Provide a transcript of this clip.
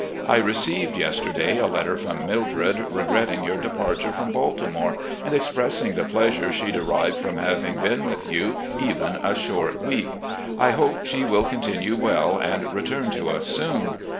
I received yesterday a letter from Mildred regretting your d^arture from Baltimore, and expressing the pleasure she derived from having been with you even a short week. I hope she will continue well and return to us soon.